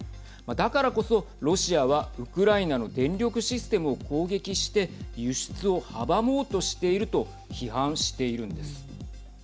だからこそロシアはウクライナの電力システムを攻撃して輸出を阻もうとしていると批判しているんです。